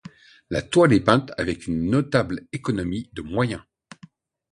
La toile est peinte avec une notable économie de moyen.